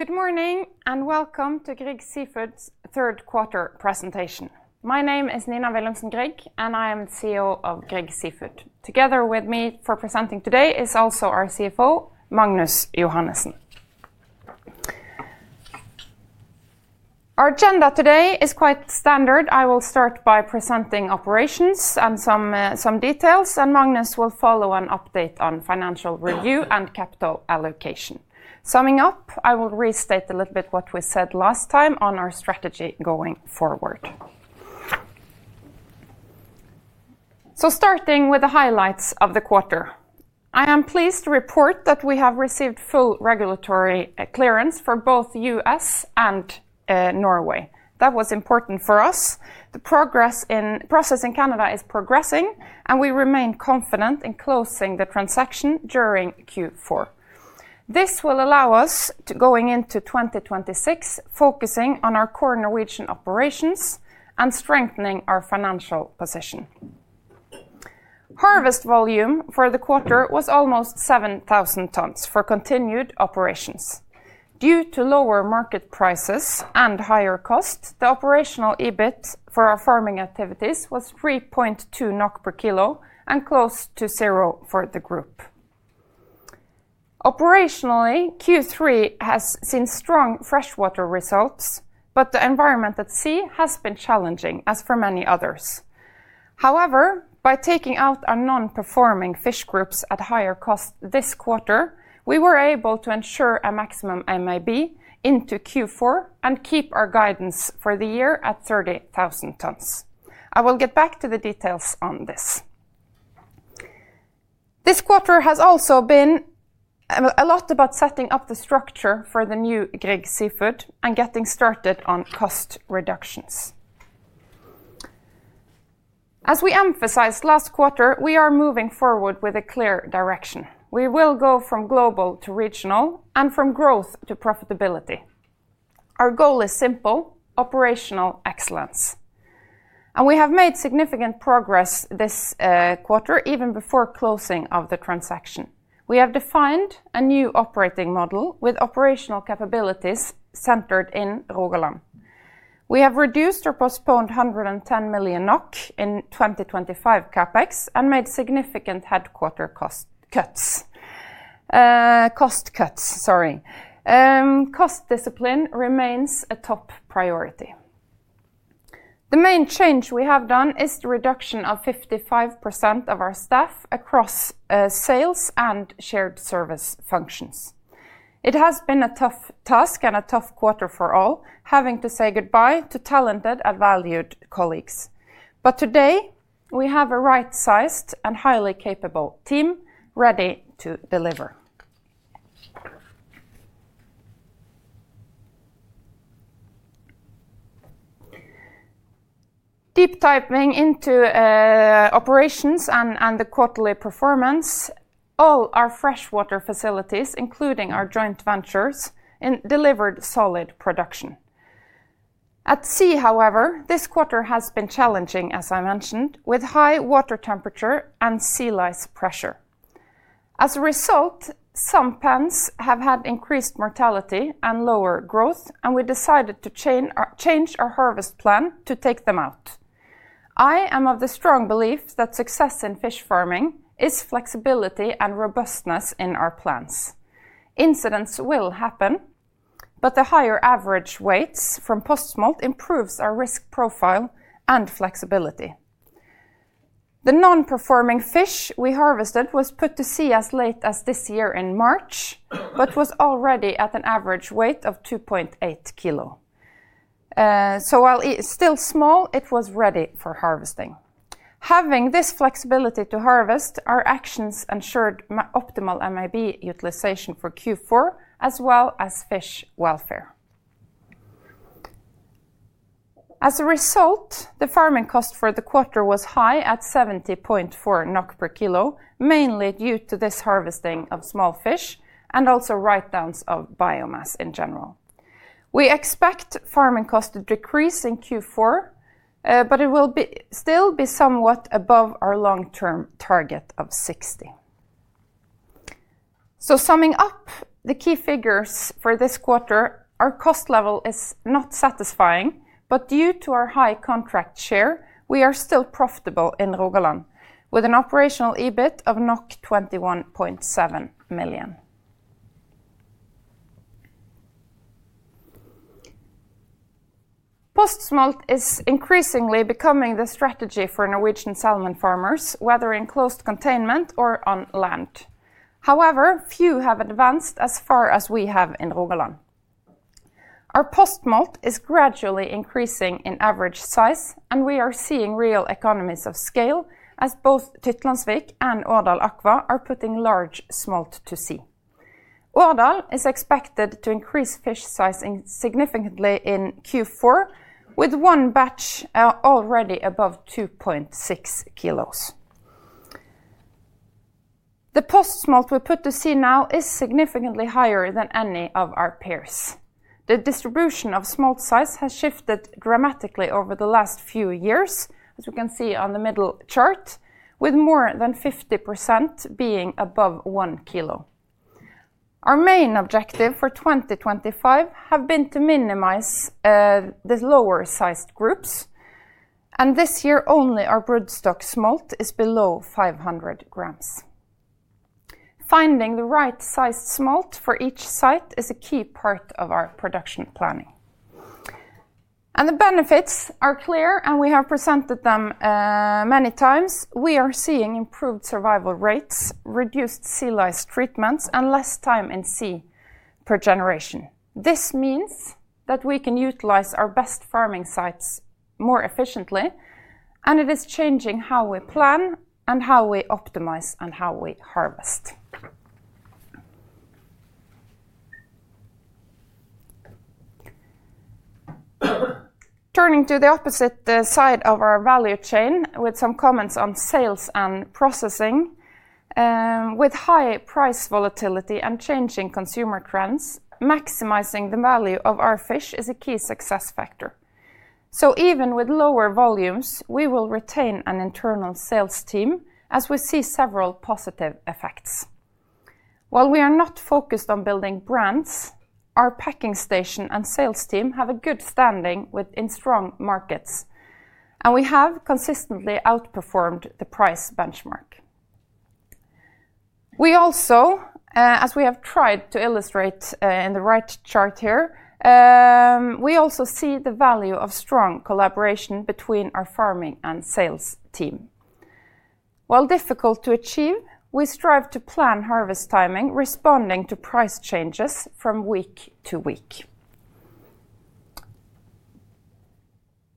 Good morning and welcome to Grieg Seafood's third quarter presentation. My name is Nina Willumsen Grieg, and I am the CEO of Grieg Seafood. Together with me for presenting today is also our CFO, Magnus Johannesen. Our agenda today is quite standard. I will start by presenting operations and some details, and Magnus will follow with an update on financial review and capital allocation. Summing up, I will restate a little bit what we said last time on our strategy going forward. Starting with the highlights of the quarter, I am pleased to report that we have received full regulatory clearance for both the US and Norway. That was important for us. The process in Canada is progressing, and we remain confident in closing the transaction during Q4. This will allow us to go into 2026, focusing on our core Norwegian operations and strengthening our financial position. Harvest volume for the quarter was almost 7,000 tons for continued operations. Due to lower market prices and higher costs, the operational EBIT for our farming activities was 3.2 NOK per kilo and close to zero for the group. Operationally, Q3 has seen strong freshwater results, but the environment at sea has been challenging, as for many others. However, by taking out our non-performing fish groups at higher cost this quarter, we were able to ensure a maximum MAB into Q4 and keep our guidance for the year at 30,000 tons. I will get back to the details on this. This quarter has also been a lot about setting up the structure for the new Grieg Seafood and getting started on cost reductions. As we emphasized last quarter, we are moving forward with a clear direction. We will go from global to regional and from growth to profitability. Our goal is simple: operational excellence. We have made significant progress this quarter, even before closing of the transaction. We have defined a new operating model with operational capabilities centered in Rogaland. We have reduced or postponed 110 million NOK in 2025 CapEx and made significant headquarter cuts. Cost discipline remains a top priority. The main change we have done is the reduction of 55% of our staff across sales and shared service functions. It has been a tough task and a tough quarter for all, having to say goodbye to talented and valued colleagues. Today, we have a right-sized and highly capable team ready to deliver. Deep diving into operations and the quarterly performance, all our freshwater facilities, including our joint ventures, delivered solid production. At sea, however, this quarter has been challenging, as I mentioned, with high water temperature and sea lice pressure. As a result, some pens have had increased mortality and lower growth, and we decided to change our harvest plan to take them out. I am of the strong belief that success in fish farming is flexibility and robustness in our plans. Incidents will happen, but the higher average weights from post-smolt improves our risk profile and flexibility. The non-performing fish we harvested was put to sea as late as this year in March, but was already at an average weight of 2.8 kilos. While still small, it was ready for harvesting. Having this flexibility to harvest, our actions ensured optimal MAB utilization for Q4, as well as fish welfare. As a result, the farming cost for the quarter was high at 70.4 NOK per kilo, mainly due to this harvesting of small fish and also write-downs of biomass in general. We expect farming costs to decrease in Q4, but it will still be somewhat above our long-term target of 60. Summing up, the key figures for this quarter, our cost level is not satisfying, but due to our high contract share, we are still profitable in Rogaland, with an operational EBIT of 21.7 million. Post-smolt is increasingly becoming the strategy for Norwegian salmon farmers, whether in closed containment or on land. However, few have advanced as far as we have in Rogaland. Our post-smolt is gradually increasing in average size, and we are seeing real economies of scale as both Tytlandsvik and Årdal Aqua are putting large smolt to sea. Årdal is expected to increase fish size significantly in Q4, with one batch already above 2.6 kilos. The post-smolt we put to sea now is significantly higher than any of our peers. The distribution of smolt size has shifted dramatically over the last few years, as we can see on the middle chart, with more than 50% being above 1 kilo. Our main objective for 2025 has been to minimize the lower-sized groups, and this year only our broodstock smolt is below 500 grams. Finding the right-sized smolt for each site is a key part of our production planning. The benefits are clear, and we have presented them many times. We are seeing improved survival rates, reduced sea lice treatments, and less time in sea per generation. This means that we can utilize our best farming sites more efficiently, and it is changing how we plan and how we optimize and how we harvest. Turning to the opposite side of our value chain with some comments on sales and processing, with high price volatility and changing consumer trends, maximizing the value of our fish is a key success factor. Even with lower volumes, we will retain an internal sales team as we see several positive effects. While we are not focused on building brands, our packing station and sales team have a good standing in strong markets, and we have consistently outperformed the price benchmark. As we have tried to illustrate in the right chart here, we also see the value of strong collaboration between our farming and sales team. While difficult to achieve, we strive to plan harvest timing, responding to price changes from week to week.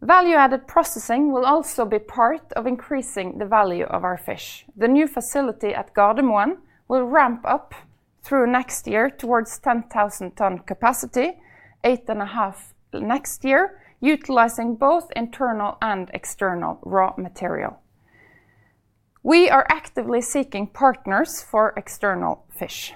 Value-added processing will also be part of increasing the value of our fish. The new facility at Gardemoen will ramp up through next year towards 10,000-ton capacity, 8.5 next year, utilizing both internal and external raw material. We are actively seeking partners for external fish.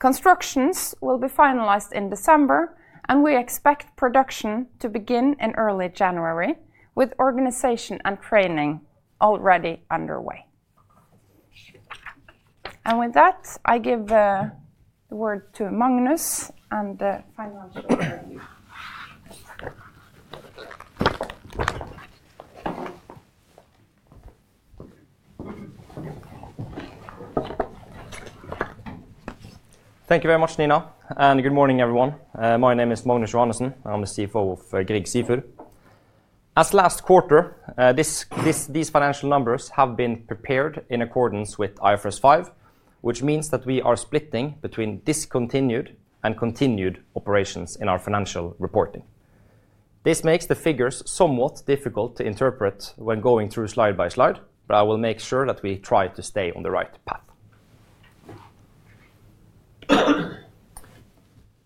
Construction will be finalized in December, and we expect production to begin in early January, with organization and training already underway. With that, I give the word to Magnus and the financial review. Thank you very much, Nina, and good morning, everyone. My name is Magnus Johannesen. I'm the CFO of Grieg Seafood. As last quarter, these financial numbers have been prepared in accordance with IFRS 5, which means that we are splitting between discontinued and continued operations in our financial reporting. This makes the figures somewhat difficult to interpret when going through slide by slide, but I will make sure that we try to stay on the right path.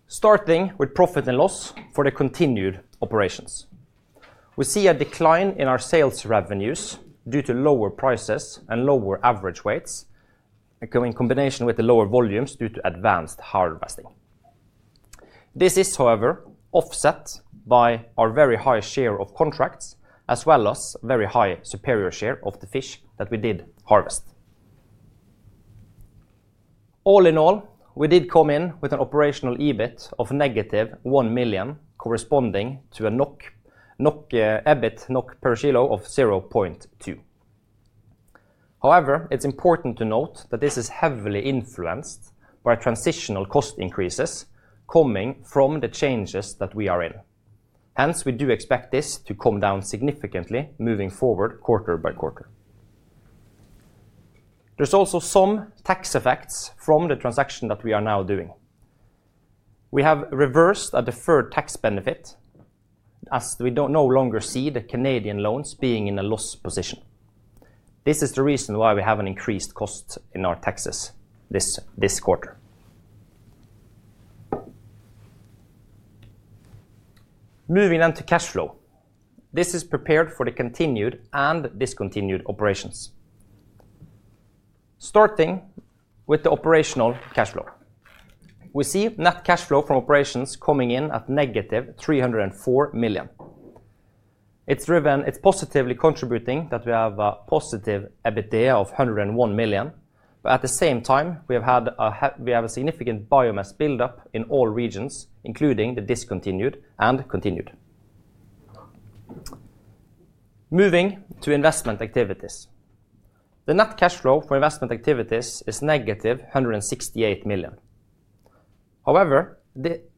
Starting with profit and loss for the continued operations. We see a decline in our sales revenues due to lower prices and lower average weights, in combination with the lower volumes due to advanced harvesting. This is, however, offset by our very high share of contracts, as well as a very high superior share of the fish that we did harvest. All in all, we did come in with an operational EBIT of negative 1 million, corresponding to an EBIT NOK per kilo of 0.2. However, it's important to note that this is heavily influenced by transitional cost increases coming from the changes that we are in. Hence, we do expect this to come down significantly moving forward quarter by quarter. There's also some tax effects from the transaction that we are now doing. We have reversed a deferred tax benefit as we no longer see the Canadian loans being in a loss position. This is the reason why we have an increased cost in our taxes this quarter. Moving on to cash flow. This is prepared for the continued and discontinued operations. Starting with the operational cash flow. We see net cash flow from operations coming in at negative 304 million. It's positively contributing that we have a positive EBITDA of 101 million, but at the same time, we have a significant biomass buildup in all regions, including the discontinued and continued. Moving to investment activities. The net cash flow for investment activities is negative 168 million. However,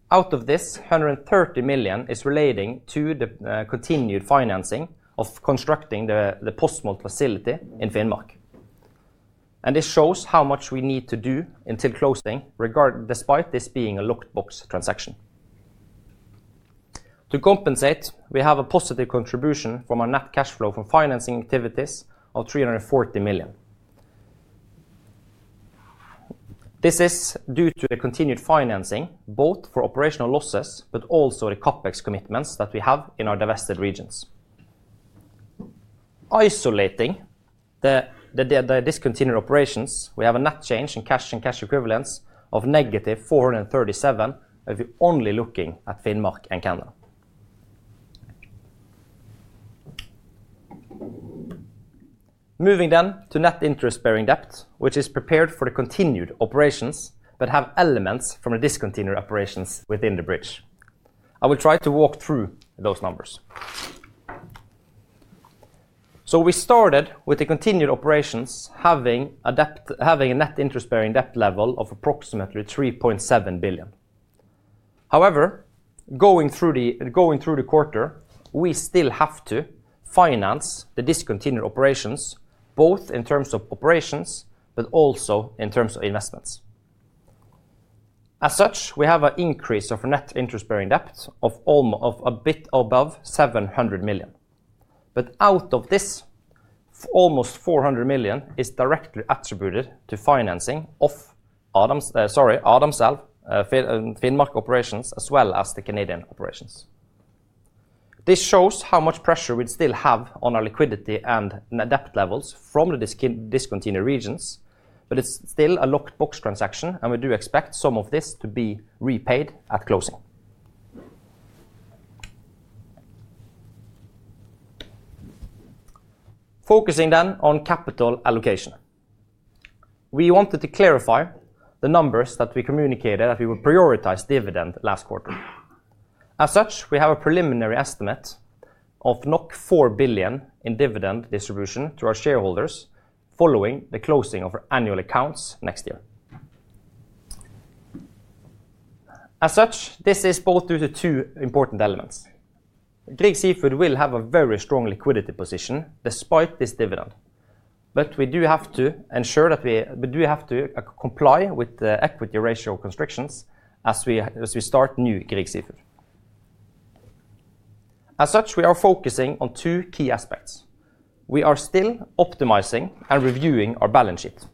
out of this, 130 million is relating to the continued financing of constructing the post-smolt facility in Finnmark. This shows how much we need to do until closing, despite this being a locked box transaction. To compensate, we have a positive contribution from our net cash flow from financing activities of 340 million. This is due to the continued financing, both for operational losses, but also the CapEx commitments that we have in our divested regions. Isolating the discontinued operations, we have a net change in cash and cash equivalents of negative 437 million if you're only looking at Finnmark and Canada. Moving then to net interest-bearing debt, which is prepared for the continued operations, but has elements from the discontinued operations within the bridge. I will try to walk through those numbers. We started with the continued operations having a net interest-bearing debt level of approximately 3.7 billion. However, going through the quarter, we still have to finance the discontinued operations, both in terms of operations, but also in terms of investments. As such, we have an increase of net interest-bearing debt of a bit above 700 million. Out of this, almost 400 million is directly attributed to financing of Finnmark operations, as well as the Canadian operations. This shows how much pressure we still have on our liquidity and debt levels from the discontinued regions, but it is still a locked box transaction, and we do expect some of this to be repaid at closing. Focusing then on capital allocation. We wanted to clarify the numbers that we communicated that we would prioritize dividend last quarter. As such, we have a preliminary estimate of 4 billion in dividend distribution to our shareholders following the closing of our annual accounts next year. This is both due to two important elements. Grieg Seafood will have a very strong liquidity position despite this dividend, but we do have to ensure that we do have to comply with the equity ratio constrictions as we start new Grieg Seafood. We are focusing on two key aspects. We are still optimizing and reviewing our balance sheet.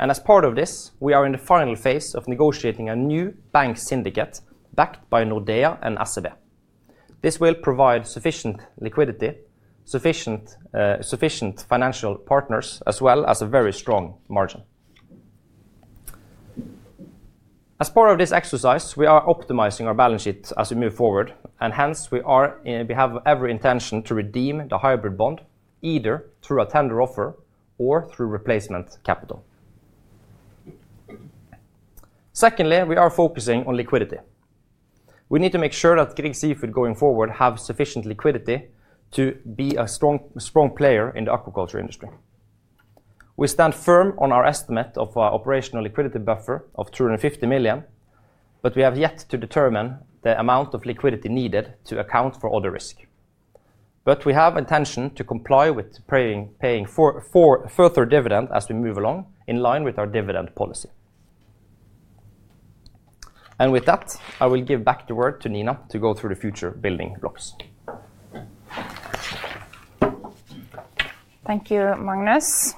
As part of this, we are in the final phase of negotiating a new bank syndicate backed by Nordea and SEB. This will provide sufficient liquidity, sufficient financial partners, as well as a very strong margin. As part of this exercise, we are optimizing our balance sheet as we move forward, and hence we have every intention to redeem the hybrid bond, either through a tender offer or through replacement capital. Secondly, we are focusing on liquidity. We need to make sure that Grieg Seafood going forward has sufficient liquidity to be a strong player in the aquaculture industry. We stand firm on our estimate of our operational liquidity buffer of 250 million, but we have yet to determine the amount of liquidity needed to account for other risk. We have intention to comply with paying further dividend as we move along in line with our dividend policy. With that, I will give back the word to Nina to go through the future building blocks. Thank you, Magnus.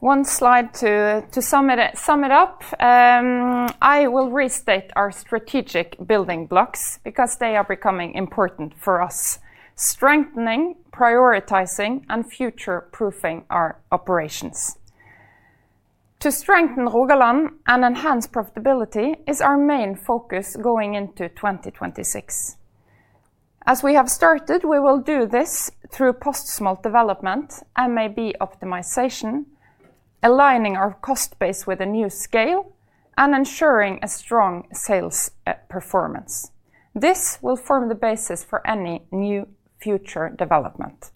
One slide to sum it up. I will restate our strategic building blocks because they are becoming important for us: strengthening, prioritizing, and future-proofing our operations. To strengthen Rogaland and enhance profitability is our main focus going into 2026. As we have started, we will do this through post-smolt development, MAB optimization, aligning our cost base with a new scale, and ensuring a strong sales performance. This will form the basis for any new future development.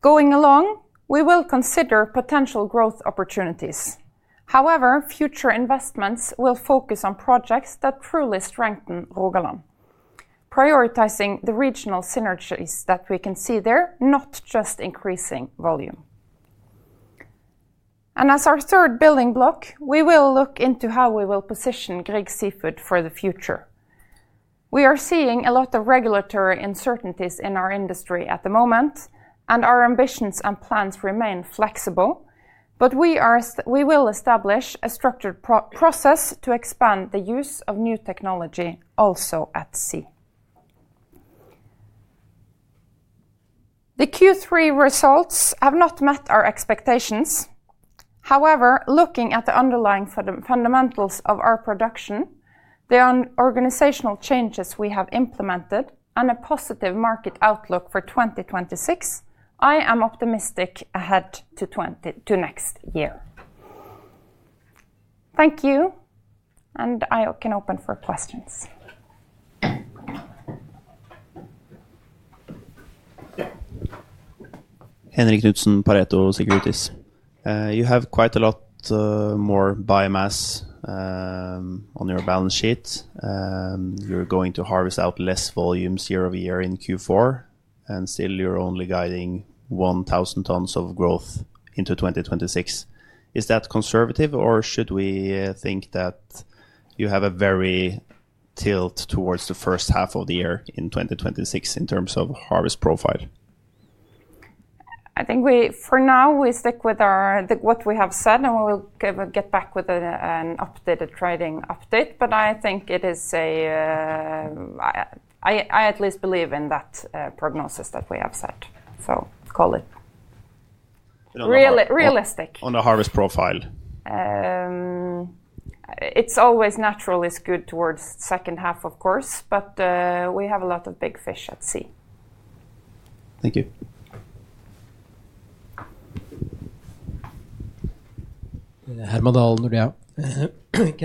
Going along, we will consider potential growth opportunities. However, future investments will focus on projects that truly strengthen Rogaland, prioritizing the regional synergies that we can see there, not just increasing volume. As our third building block, we will look into how we will position Grieg Seafood for the future. We are seeing a lot of regulatory uncertainties in our industry at the moment, and our ambitions and plans remain flexible, but we will establish a structured process to expand the use of new technology also at sea. The Q3 results have not met our expectations. However, looking at the underlying fundamentals of our production, the organizational changes we have implemented, and a positive market outlook for 2026, I am optimistic ahead to next year. Thank you, and I can open for questions. You have quite a lot more biomass on your balance sheet. You're going to harvest out less volume year over year in Q4, and still you're only guiding 1,000 tons of growth into 2026. Is that conservative, or should we think that you have a very tilt towards the first half of the year in 2026 in terms of harvest profile? I think for now we stick with what we have said, and we will get back with an updated trading update, but I think it is a, I at least believe in that prognosis that we have set. Call it realistic. On the harvest profile. It's always natural, is good towards the second half, of course, but we have a lot of big fish at sea. Thank you. Can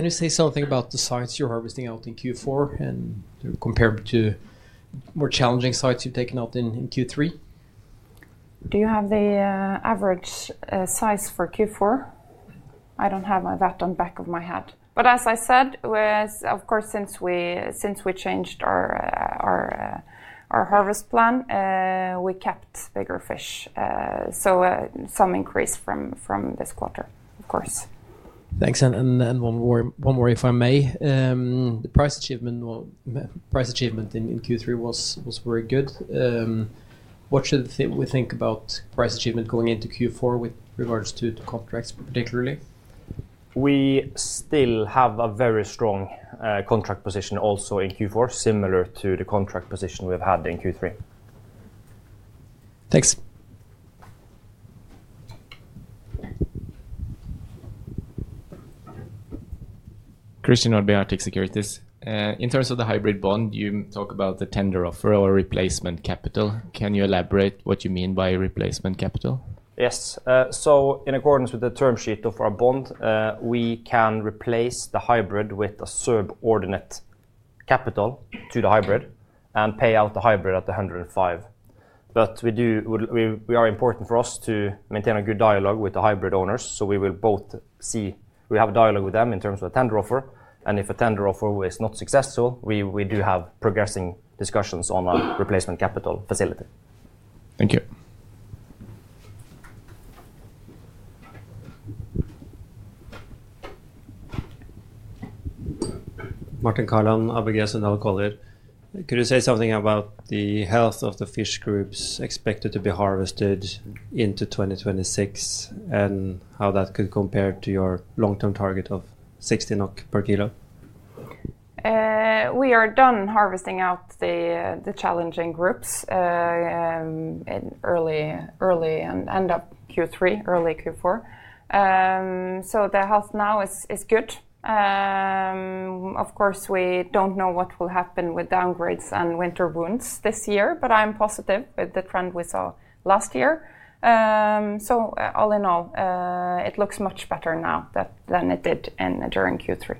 you say something about the sites you're harvesting out in Q4 and compare it to more challenging sites you've taken out in Q3? Do you have the average size for Q4? I don't have that on the back of my head. But as I said, of course, since we changed our harvest plan, we kept bigger fish. So some increase from this quarter, of course. Thanks. One more, if I may. The price achievement in Q3 was very good. What should we think about price achievement going into Q4 with regards to contracts particularly? We still have a very strong contract position also in Q4, similar to the contract position we've had in Q3. Thanks. Christian Nordby, Arctic Securities. In terms of the hybrid bond, you talk about the tender offer or replacement capital. Can you elaborate what you mean by replacement capital? Yes. In accordance with the term sheet of our bond, we can replace the hybrid with a subordinate capital to the hybrid and pay out the hybrid at 105. It would be important for us to maintain a good dialogue with the hybrid owners, so we will both see, we have a dialogue with them in terms of a tender offer, and if a tender offer is not successful, we do have progressing discussions on a replacement capital facility. Thank you. Martin Källan, ABG Sundal Collier. Could you say something about the health of the fish groups expected to be harvested into 2026 and how that could compare to your long-term target of 60 NOK per kilo? We are done harvesting out the challenging groups in early and end up Q3, early Q4. The health now is good. Of course, we do not know what will happen with downgrades and winter wounds this year, but I am positive with the trend we saw last year. All in all, it looks much better now than it did during Q3.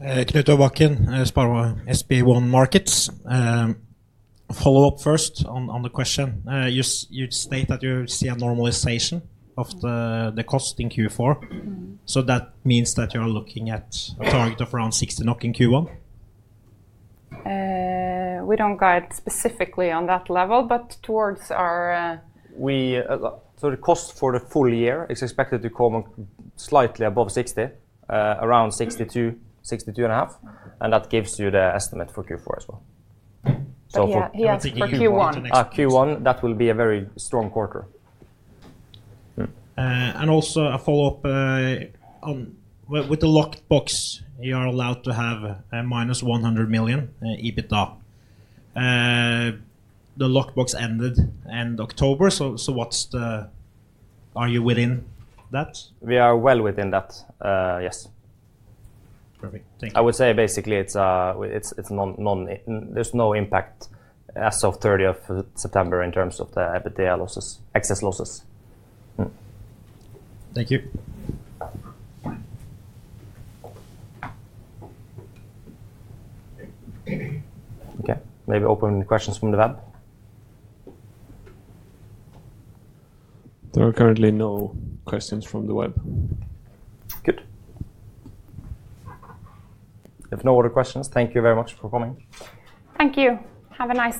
Knut Bakken, Sparva. SB1 Markets. Follow up first on the question. You state that you see a normalization of the cost in Q4. So that means that you're looking at a target of around 60 in Q1? We don't guide specifically on that level, but towards our. The cost for the full year is expected to come slightly above 60, around 62-62.5, and that gives you the estimate for Q4 as well. Yeah, for Q1. Q1, that will be a very strong quarter. Also, a follow-up on with the locked box, you are allowed to have minus 100 million EBITDA. The locked box ended end October, so are you within that? We are well within that, yes. Perfect. Thank you. I would say basically there's no impact as of 30th of September in terms of the EBITDA excess losses. Thank you. Okay. Maybe open questions from the web? There are currently no questions from the web. Good. If no other questions, thank you very much for coming. Thank you. Have a nice day.